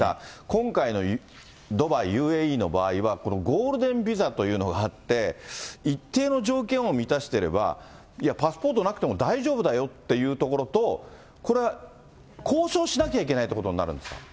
今回のドバイ、ＵＡＥの場合は、このゴールデンビザというのがあって、一定の条件を満たしていれば、いや、パスポートなくても大丈夫だよという所と、これは、交渉しなきゃいけないということになるんですか。